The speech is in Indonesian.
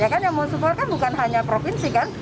ya kan yang mensupport bukan hanya provinsi kan